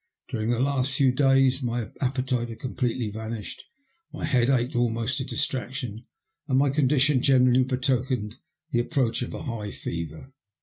During the last few days my appe tite had completely vanished, my head ached almost to distraction, and my condition generally betokened the approach of a high fever.